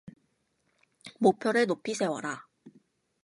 목표를 높이 세워라.